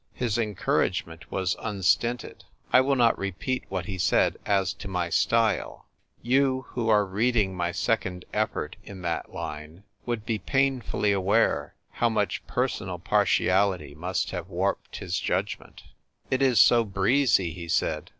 His encouragement was unstinted. I will not repeat what he said as to my style ; you, who are reading my second effort in that line, would be painfully aware how much personal partiality must have warped his judgment. I TRY LITERATURE. I73 " It is SO breezy," he said.